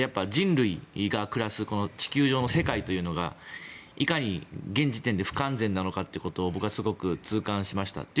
人類が暮らす地球上の世界というのがいかに現時点で不完全なのかということを僕はすごく痛感しました。